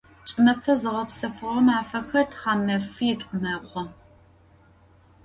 Ç'ımefe zığepsefığo mafexer thamefit'u mexhu.